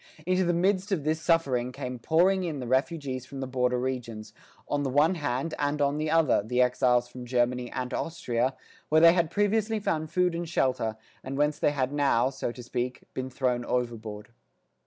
Into the midst of this suffering came pouring in the refugees from the border regions, on the one hand, and on the other, the exiles from Germany and Austria, where they had previously found food and shelter, and whence they had now, so to speak, been thrown overboard.